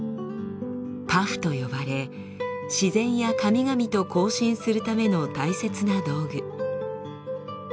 「パフ」と呼ばれ自然や神々と交信するための大切な道具。